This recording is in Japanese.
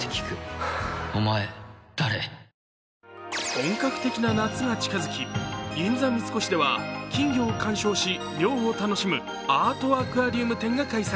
本格的な夏が近づき、銀座三越では、金魚を鑑賞し、涼を楽しむアートアクアリウム展が開催。